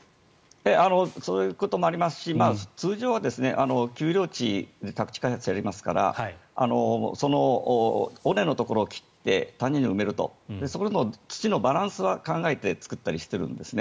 そういうこともありますし通常は丘陵地は宅地開発されますからその尾根のところを切って谷に埋めると土のバランスは考えて作ったりしてるんですね。